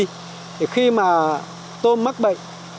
thì khi mà tôm mắc bệnh